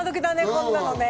こんなのね